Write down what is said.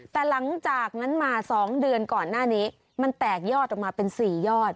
แต่หลังจากนั้นมา๒เดือนก่อนหน้านี้มันแตกยอดออกมาเป็น๔ยอด